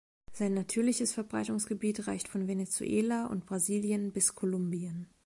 Sein natürliches Verbreitungsgebiet reicht von Venezuela und Brasilien bis Kolumbien.